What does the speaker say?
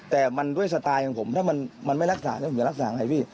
แต่มันด้วยสไตล์ของผมถ้ามันไม่รักษาผมจะรักษาไงพี่